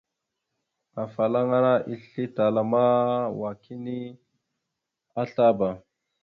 Afalaŋa islétala ma wa kini azlaba.